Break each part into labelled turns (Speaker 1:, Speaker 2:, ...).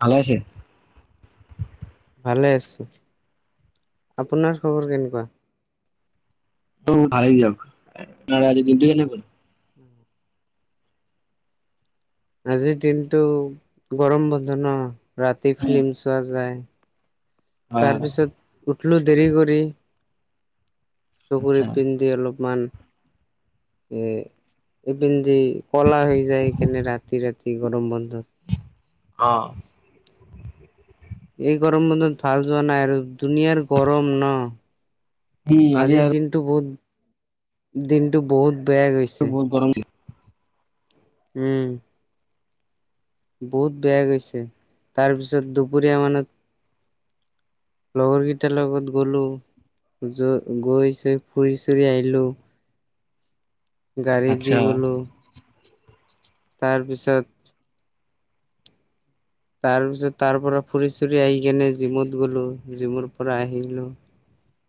Speaker 1: ভালে আছে?
Speaker 2: ভালে আছোঁ। আপোনাৰ খবৰ কেনেকুৱা?
Speaker 1: অ, ভালেই দিয়ক, আপোনাৰ আজি দিনটো কেনে গ'ল?
Speaker 2: [unintelligible] আজিৰ দিনটো গৰম বন্ধ ন, ৰাতি
Speaker 1: উম
Speaker 2: ফিল্ম চোৱা যায়।
Speaker 1: হয় হয়
Speaker 2: তাৰপিছত উঠলো দেৰি কৰি। চকুৰ
Speaker 1: আচ্ছা
Speaker 2: ইপিনদি অলপমান এ ইপিনদি ক'লা হৈ যায় সেকাৰণে ৰাতি-ৰাতি গৰম বন্ধত
Speaker 1: অ
Speaker 2: এই গৰম বন্ধত ভাল যোৱা নাই আৰু দুুনীয়াৰ গৰম ন।
Speaker 1: উম আজি
Speaker 2: আজিৰ
Speaker 1: আৰু
Speaker 2: দিনটো বহুত, দিনটো বহুত বেয়া গৈছে।
Speaker 1: বহুত গৰম দিলে।
Speaker 2: উম। বহুত বেয়া গৈছে। তাৰপিছত দুপৰীয়া মানত লগৰকিটাৰ লগত গ'লোঁ। য- গৈ-চৈ ফুৰি-চুৰি আহিলোঁ।
Speaker 1: [inaudible]
Speaker 2: গাড়ী দি
Speaker 1: আচ্ছা
Speaker 2: গলোঁ। তাৰ পিছত তাৰ পিছত তাৰ পৰা ফুৰি-ছুৰি আহি কেনে জিমত গ'লো। জিমৰ পৰা আহিলোঁ।
Speaker 1: অ [unintelligible]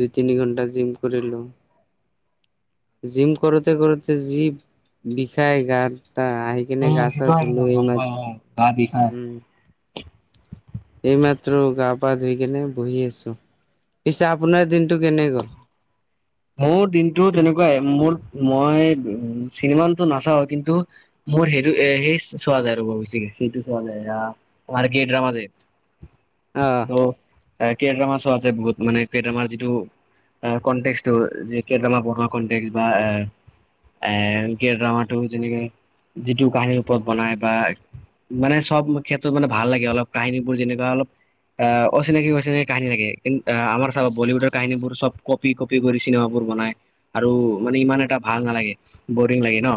Speaker 2: দুই-তিনি ঘণ্টা জিম কৰিলোঁ। জিম কৰোঁতে - কৰোঁতে যি বিষায় গাত তা আহি কিনে
Speaker 1: উম সেইটো
Speaker 2: গা-ছা
Speaker 1: হয় কিন্তু
Speaker 2: ধুলোঁ এই
Speaker 1: গম পাওঁ
Speaker 2: মাত্ৰ-
Speaker 1: অ গা বিষাই
Speaker 2: উম। এইমাত্ৰ গা-পা ধুই কেনে বহি আছোঁ। পিছে আপোনাৰ দিনটো কেনে গ'ল?
Speaker 1: মোৰ দিনটো তেনেকুৱাই। মোৰ মই উম চিনেমানটো নাচাওঁ। কিন্তু মোৰ সেইটো- এ- সেই চোৱা যায় ৰব বেছিকে। সেইটো চোৱা যায় না, তোমাৰ কে ড্ৰামা যে
Speaker 2: অহ।
Speaker 1: কেটামান শ' আছে, বহুত মানে ফেত যিটো কনটেছ। টো যি কেইটামান পঢ়া কনটেক্ বা অ'- এ- কে ড্ৰামাটো যেনেকে যিটো কাহিনীৰ ওপৰত বনায় বা মানে চব ক্ষেত্ৰত মানে ভাল লাগে অলপ, কাহিনীবোৰ যেনেকুৱা অলপ অ' অচিনাকি - অচিনাকি কাহিনী থাকে। কিন- অ'- আমাৰ চাব বলিউডৰ কাহিনীবোৰ চব কপি-ক কৰি চিনেমাবোৰ বনাই আৰু মানে ইমান এটা ভাল নালাগে বৰিং লাগে ন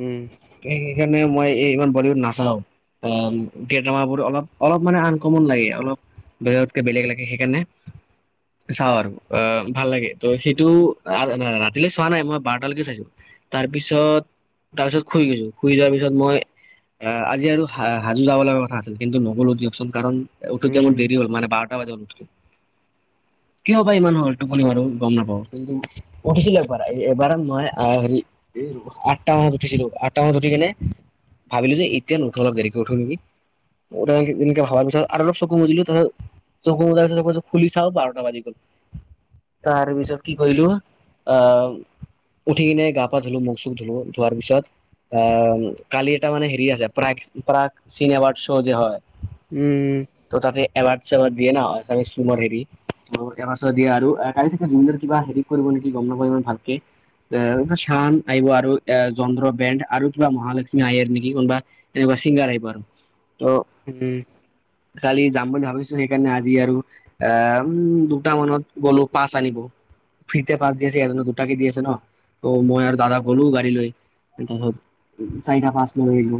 Speaker 2: উম
Speaker 1: মানে মই এই ইমান বলীউড নাচাওঁ। অ [unintelligible] অলপ অলপ মানে আনকমন লাগে অলপ বেজতকে বেলেগ লাগে সেইকাৰণে চাওঁ আৰু আহ ভাল লাগে। ত সেইটো ৰাতিলৈ চোৱা নাই মই বাৰটালৈকে চাইছো। তাৰপিছত তাৰ পিছত শুই গৈছো শুই যোৱাৰ পিছত মই। আহ আজি আৰু হাজু যাব লগা কথা আছিল কিন্তু নগলো দিয়কচোন কাৰণ। উঠোতে মোৰ
Speaker 2: উম
Speaker 1: দেৰি হ'ল মান বাৰটা বাৰতা বাজি ওঠো কিয় বা ইমান হ'ল টোপনি বাৰু। গম নাপাওঁ কিন্তু উঠিছিলো এবাৰ এবাৰ মই হেৰি আঠটা মানত উঠিছিলো। আঠটামানত উঠি কিনে ভাবিলো যে এতিয়া ন উঠো অলপ দেৰিকৈ উঠো নেকি। পিছত আৰু অলপ চকু মেলিছো তাছত চকু বজ খুলি চাও বাৰটা বাজি গল। তাৰ পিছত কি কিকৰিলো আ। উঠি কিনে গা পা ধুলো মুখ চুখ ধুলো ধোৱাৰ পিছত। আহ কালি এটা মানে হেৰি আছে প্ৰয়েস্ক প্ৰাক চিনেৱাৰ শ' যে হয়।
Speaker 2: উম
Speaker 1: ত তাতে এবাৰ। ওৱাছবত দিয়ে ন দিয়ে আৰু। গাড় থাকে নিযৰ কিবা হেৰি কৰিব নেকি গম নপাওঁ হিমান ভালকে। চান আইব আৰু এ যন্ত্ৰ বেণ্ড আৰু কিবা মহালক্ষ্মী আহে নেকি কোনোবা তেনেকুৱা। শিংগাৰ আহিব আৰু ট
Speaker 2: উম
Speaker 1: কালি। যাম বুলি ভাবিছো সেইকাৰণে আজি আৰু আহ উম দুট মানত গলো পাছ আনিব। ফ্ৰীতে পাছ দি আছে ন এজ দুটাকে দি আছে ন ত মই আৰু দাদা গলো গাড়ী লৈ। চাইটা পাছ লৈ আহিলো।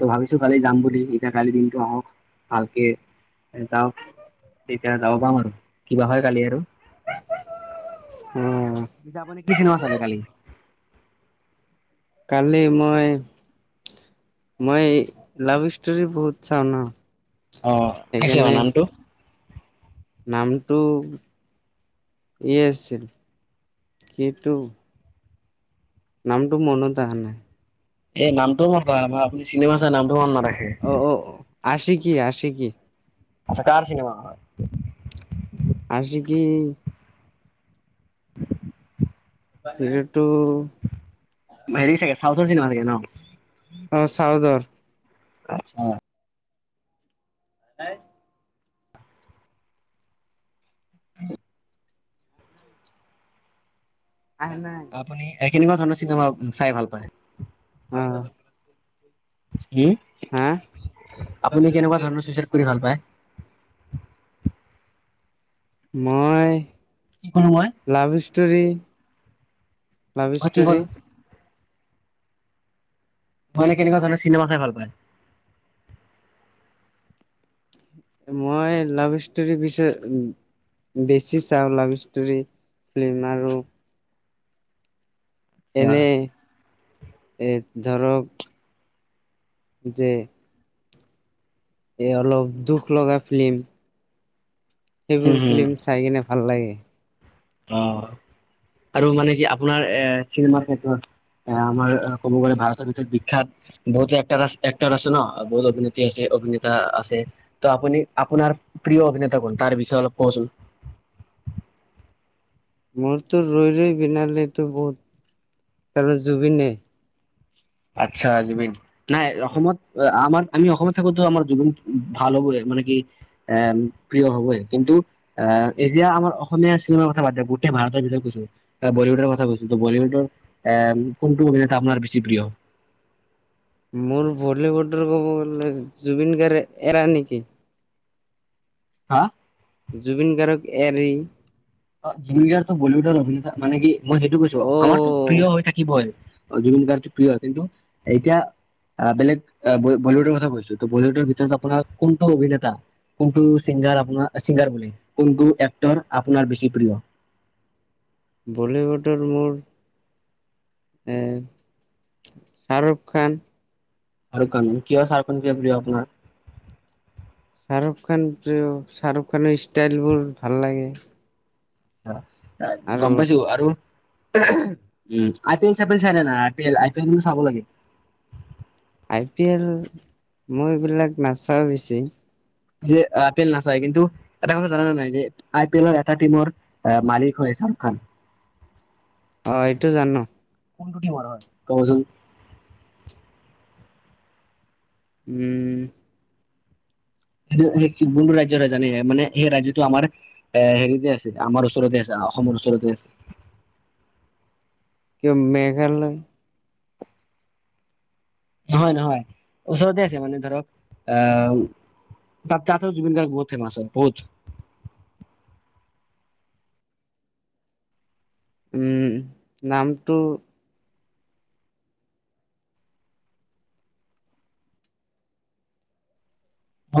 Speaker 1: তো ভাবিছো কালি যাম বুলি এতিয়া কালি দিনটো আহক ভালকে যাওক। তেতিয়া যাব পাম আৰু কিবা হয় কালি আৰু।
Speaker 2: অ
Speaker 1: পিছে আপুনি কি চিনোৱা চালে কালি।
Speaker 2: কালি মই। মই লাভ ষ্টৰি বহুত চাও ন।
Speaker 1: অ কি আছিলে বা
Speaker 2: সেইকাৰণে
Speaker 1: নামটো।
Speaker 2: নামটো। ই আছিল কিন্তু নামটো মনত আহা নাই
Speaker 1: এই নামটো বা বা আপুনি চিনেমা চাই নামটো মন নাথাকে।
Speaker 2: আছে কি আছে কি
Speaker 1: আচ্ছা কাৰ চিনেমা হয়।
Speaker 2: আছে কি এইটো
Speaker 1: চাওউঠৰ চিনেমা থাকে ন।
Speaker 2: অ চাওদৰ।
Speaker 1: আচ্ছা।
Speaker 2: এ নাই।
Speaker 1: [unintelligible]
Speaker 2: আহ নাই
Speaker 1: আপুনি এ কেনেকুৱা ধৰণৰ চিনেমা চাই ভাল পায়।
Speaker 2: অ।
Speaker 1: উম
Speaker 2: হা
Speaker 1: আপুনি কেনেকুৱা ধৰণৰ চুইচাইদ কৰি ভাল পায়।
Speaker 2: মই
Speaker 1: কি কলো মই
Speaker 2: লাভ সষ্টৰি। লাভ
Speaker 1: মই কি কলো
Speaker 2: ষ্টৰি।
Speaker 1: নলে কেনেকুৱা ধৰণে চিনেমা চাই ভাল পায়।
Speaker 2: মই লাভ ষ্টৰী বিচ। বেছি চাওঁ লাভ ষ্টৰি ফিল্ম আৰু। এনে এৰ ধৰক। যে। এ অলপ দুখ লগা ফিল্ম।
Speaker 1: উম,
Speaker 2: সেইবোৰ
Speaker 1: হুম,
Speaker 2: ফিল্ম চাই কিনে ভাল লাগে।
Speaker 1: অ আৰু মানে কি আপোনাৰ এ চিনেমাৰ ক্ষেত্ৰত। এ আমাৰ ক'ব গ'লে ভাৰতৰ ভিতৰত বিখ্যাত বহুতো একট আ এক্টাৰ আছে ন বহুত অভিনেত্ৰী আছে। অভিনেতা আছে ত আপুনি আপোনাৰ প্ৰিয় অভিনেতা কোন তাৰ বিষয়ে অলপ কবচোন। [unintelligible]
Speaker 2: মোৰতো ৰৈ লৈ বিনালেতো বহুত আৰু জুবিনে
Speaker 1: আচ্ছা জুবিন নাই অসমত আমাৰ আমি অসমত থাকো তো আমাৰ জুবিন ভাল হবই মানে কি এ প্ৰিয় হবই কিন্তু ই এতিয়া আমাৰ অসমীয়া চিনেমাৰ কথা বাদ দিয়া গোটেই ভাৰতৰ ভিতৰত কৈছো বলীউডৰ কথা কৈছো বীউডৰ এ কোনটো অভিনেতা আপোনাৰ বেছি প্ৰিয়
Speaker 2: মোৰ বলিউড ৰ ক'ব গলে জুবিন গাৰ্গ এৰা নেকি
Speaker 1: হা
Speaker 2: জুবিন গাৰ্গক এৰি
Speaker 1: অ জুবিন দা বলিউডৰ অভিনেতা মানে কি মই সেইটো কৈছো আমাৰতো
Speaker 2: অ'
Speaker 1: প্ৰিয় হৈ থাকিবই জুবিন গাৰ্গতো প্ৰিয় কিন্তু এতিয়া বেলেগ বলীউডৰ কথা কৈছো ত বলীউডৰ ভিতৰত আপোনাৰ কোনটো অভিনেতা কোনটো চিংগাৰ আপোনাৰ চিংগাৰ বুলি কোনটো এক্টৰ আপোনাৰ বেছি প্ৰিয়
Speaker 2: বলিউডৰ মোৰ এই শাৰু খান
Speaker 1: আৰু কানুন কিয় শাৰুখান প্ৰিয় আপোনাৰ
Speaker 2: শাৰু খান প্ৰ শাৰু খানৰ ষ্টাইল বোৰ ভাল লাগে। আৰু
Speaker 1: গম পাইছো আৰু উম আই পি এল চাই পি এল চাই নে নাই আই পি এল মানে চাব লাগে।
Speaker 2: আই পি এল মই এইবিলাক নাচাও বেছি
Speaker 1: যে আই পি এল নাচায় কিন্তু এটা কথা জান নে নাই যে আই পি এলৰ এটা টিমৰ মালিক হৈ আছে ভাত
Speaker 2: অ এইটো জানো
Speaker 1: কোনটো টিমৰ হয় কবচোন
Speaker 2: উম
Speaker 1: সেইটো সেই কোনটো ৰাজ্যৰ হয় জানে মানে সেই ৰাজ্যতো আমাৰ এ হেৰিতে আছে আমাৰ ওচৰতে আছে অসমৰ ওচৰতে আছে।
Speaker 2: কিয় মেঘালয়?
Speaker 1: নহয় নহয় ওচৰতে আছে মানে ধৰক অহ তাত তাতো জুবিন গাৰ্গ বহুত ফেমাছ হয় বহুত।
Speaker 2: উম নামটো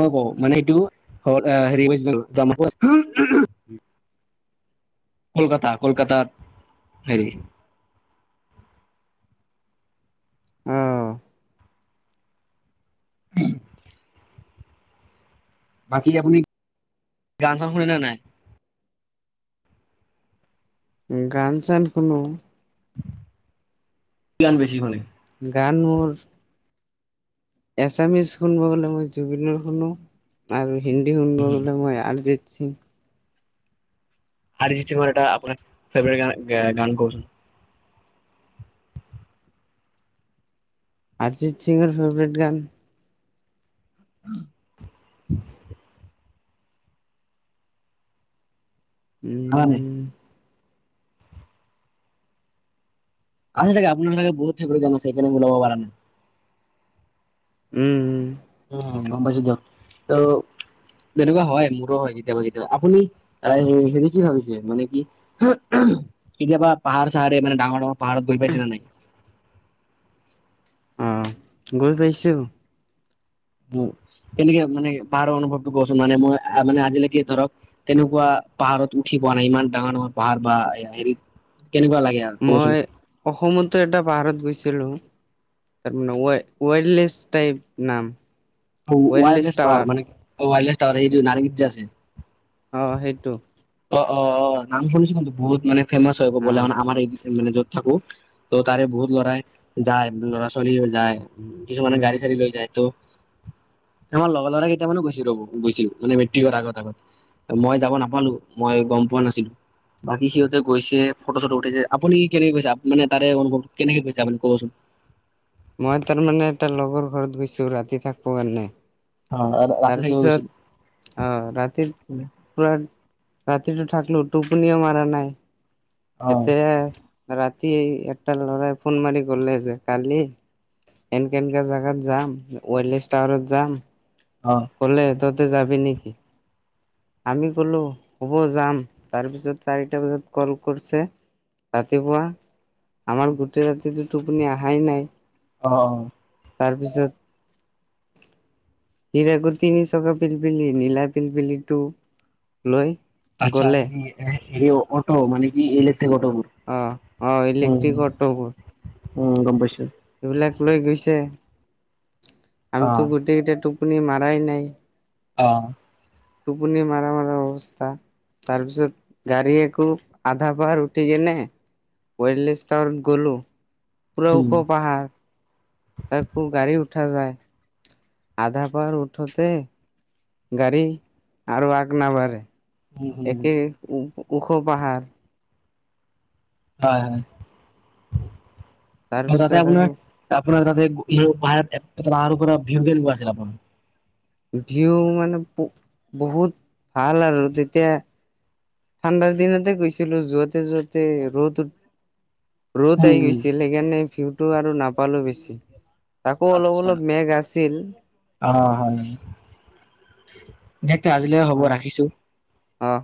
Speaker 1: অ ব মানে এইটো হেৰিছিল [unintelligible] কলকাতা কলকাতাত হেৰি
Speaker 2: অ'
Speaker 1: [unintelligible] বাকী আপুনি গান চান শুনেনে নাই
Speaker 2: গান চান শুনো
Speaker 1: কি গান বেছি শুনে
Speaker 2: গান মোৰ এছামিছ শুনব গ'লে মই জুবিনৰ শুনো আৰু হিন্দী শুনব গলে মই আৰ্জিত সিং
Speaker 1: আৰ্জিত সিংৰ এটা আপোনাৰ ফেভৰেট গান কচোন
Speaker 2: আৰ্জিত সিংৰ ফেভাৰেট গান
Speaker 1: উম খালা নাই।
Speaker 2: উম
Speaker 1: আছে তাকে আপোনাৰ চাগে বহুত ফেবেৰেট আছে এইকাৰনে ওলাব পাৰ নাই।
Speaker 2: উম উম
Speaker 1: উম গম পাইছো দি য়ক। তেনেকুৱা হয় মোৰো হয় কেতিয়াবা কেতিয়াবা আপুনি হেৰি কি ভাবিছে মানে কি কেতিয়াবা পাহাৰ চাহাৰে মানে ডাঙৰ ডাঙৰ পাহাৰত গৈ পাইছে নে নাই?
Speaker 2: অ গৈ পাইছোঁ।
Speaker 1: উ তেনেকে মানে পাৰ অনুভৱটো কচোন মানে মই মানে আজিলৈকে ধৰক তেনেকুৱা পাহাৰত উঠি পোৱা নাই ইমান ডাঙৰ ডাঙৰ পাহাৰ বা হেৰিত কেনেকুৱা লাগে আৰু ক'বচোন
Speaker 2: মই অসমতো এটা পাহাৰত গৈছো। তাৰ মানে ৱেললেছ টাইপ নাম। ৱাইল্ডলেছ
Speaker 1: ৱাইললেছ পাহাৰ
Speaker 2: টাৱাৰ
Speaker 1: মানে ৱাইলেছ টাৱাৰ এই যে নাৰেংগীত যে আছে।
Speaker 2: অ সেইটো।
Speaker 1: অ অ অ নাম শুনিছো কিন্তু বহুত মানে ফেমাচ হয় কবলে
Speaker 2: অহ
Speaker 1: মানে আমাৰ এই মানে য'ত থাকো ত' তাৰে বহুত লৰাই যায় ল'ৰা ছোৱালী যায় কিছুমানে
Speaker 2: উম
Speaker 1: গাড়ী চাৰি লৈ যায় তো আমাৰ লগৰ লৰা কেইটামানো গৈছিলো ৰ'ব গৈছিলো মানে মেট্ৰিকৰ আগত আগত মই যাব নাপালো। মই গম পোৱা নাছিলো। বাকী সিহঁতে গৈছে ফটো চটো উঠিছে আপুনি কি কেনেকে গৈছে মানে তাৰে অনুভৱটো কেনেকে কৈছে আপুনি ক'বচোন। [inaudible]
Speaker 2: মই তাৰমানানে এটা লগৰ ঘৰত গৈছো ৰাতি থাকিব কাৰণে।
Speaker 1: ৰাতি থাকিব গৈছিল
Speaker 2: তাৰপিছত আহ ৰাতি পোৰা ৰাতিটো থাক টোপনিও মাৰা নাই
Speaker 1: অ
Speaker 2: এতিয়া ৰাতি এটা লৰাই ফোন মাৰি গলে যে কালি এনকে এনকা জোগাত যাম ৱেলেছ টাৱাৰত যাম।
Speaker 1: অ
Speaker 2: কলে ততে যাবি নেকি? আমি কলো হব যাম তাৰপিছত চাৰিটা বজাত কল কৰিছে ৰাতিপুৱা আমাৰ গোটেই ৰাতিতটো টোপনি অহাই নাই
Speaker 1: অ অ
Speaker 2: তাৰপিছত হিকো তিনি চকা পিলপিলি নীলা পিলপিলিটো লৈ
Speaker 1: আচ্ছা
Speaker 2: গ'লে
Speaker 1: হৰি অট মানে কি এলে
Speaker 2: অ অ ইলেক্ট্ৰিক
Speaker 1: উম
Speaker 2: অটোবোৰ
Speaker 1: উম গমপাইছোঁ-
Speaker 2: এইবিলাক লৈ গৈছে
Speaker 1: অ
Speaker 2: আমটো গোটেইকেইটটো শুনি মাৰাই নাই
Speaker 1: অ
Speaker 2: টোপনি মাৰা মাৰা অৱস্থা তাৰপিছত গাড়ী একো আধা পাহাৰ উঠি কেনে ৱেললেছ তাৱাৰত গ'লো। পোৰা
Speaker 1: উম
Speaker 2: ওখ পাহাৰ তকো গাড়ী উঠা যায়। আধা পাহাৰ উঠোতে গাড়ী আৰু আগ নাবাঢ়ে।
Speaker 1: উম উম
Speaker 2: একে ওখ পাহাৰ।
Speaker 1: হয় হয়। ত তাতে
Speaker 2: তাৰপিছত
Speaker 1: আপোনাৰ
Speaker 2: আকৌ
Speaker 1: আপোনাৰ তাতে বাহিৰত পৰা ভিৰ ভোৱা আছিল আপোনাৰ।
Speaker 2: ভিউ মানে বহুত ভাল আৰু তেতিয়া ঠাণ্ডাৰ দিনতে গৈছিলো যোৱাতে যোৱাতে ৰ'দ ৰ'দ আহি
Speaker 1: উম
Speaker 2: গৈছিল সেইকাৰণে ভিউটো আৰু নাপালো বেছি। তাকো অলপ
Speaker 1: আচ্ছা
Speaker 2: অলপ মেঘ আছিল
Speaker 1: দে তে আজিলৈ হ'ব ৰাখিছো।
Speaker 2: আহ।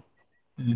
Speaker 1: উম।